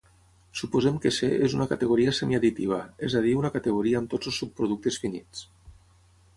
Suposem que C és una categoria semiadditiva, és a dir una categoria amb tots els subproductes finits.